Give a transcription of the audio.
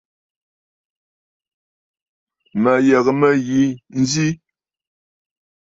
Mə̀ yə̀gə̀ mə̂ yi nzi.